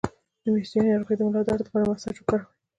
د میاشتنۍ ناروغۍ د ملا درد لپاره مساج وکړئ